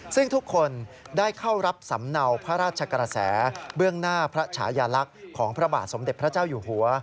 ซึ่งทุกคนได้เข้ารับสำเนาพระราชกระแสเบื้องหน้าพระฉายาลักษณ์ของพระบาทสมเด็จพระเจ้าอยู่หัว